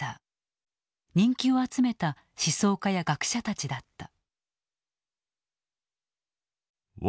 人気を集めた思想家や学者たちだった。